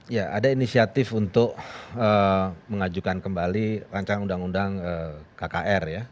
ya ada inisiatif untuk mengajukan kembali rancangan undang undang kkr ya